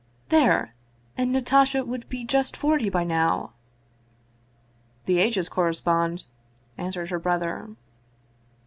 " There ! And Natasha would be just forty by now !"" The ages correspond," answered her brother.